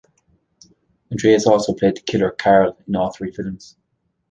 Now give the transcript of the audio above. Andreas also played the killer, Karl, in all three films.